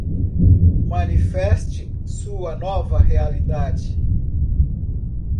Manifeste sua nova realidade